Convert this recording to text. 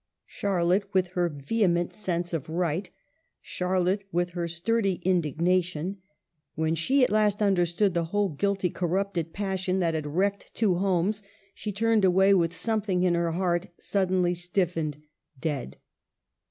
Charlotte, with her vehement sense of right ; Charlotte, with her sturdy indignation ; when she at last understood the whole guilty cor rupted passion that had wrecked two homes, she turned away with something in her heart sud denly stiffened, dead.